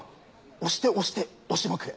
押して押して押しまくれ。